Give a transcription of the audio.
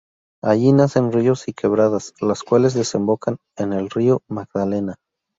Allí nacen ríos y quebradas, los cuales desembocan en el Río Magdalena.